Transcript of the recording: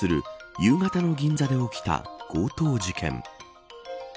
夕方の銀座で起きた強盗事件。